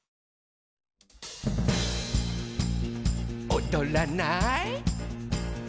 「おどらない？」